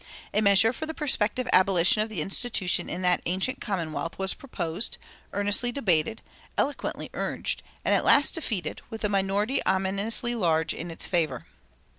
A measure for the prospective abolition of the institution in that ancient commonwealth was proposed, earnestly debated, eloquently urged, and at last defeated, with a minority ominously large in its favor.